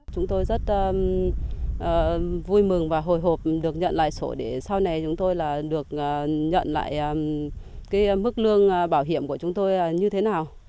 chúng tôi rất vui mừng và hồi hộp được nhận lại sổ để sau này chúng tôi là được nhận lại cái mức lương bảo hiểm của chúng tôi như thế nào